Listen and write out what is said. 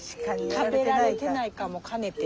食べられてないかもかねて。